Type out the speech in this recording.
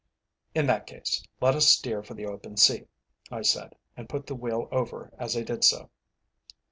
"In that case, let us steer for the open sea," I said, and put the wheel over as I did so.